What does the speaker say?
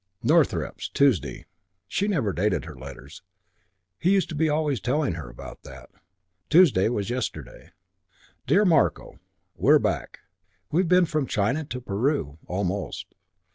"Northrepps. Tuesday." She never dated her letters. He used to be always telling her about that. Tuesday was yesterday. Dear Marko We're back. We've been from China to Peru almost.